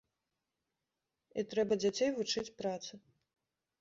І трэба дзяцей вучыць працы.